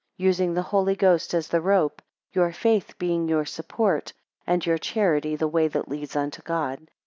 Using the Holy Ghost as the rope: your faith being your support; and your charity the way that leads unto God.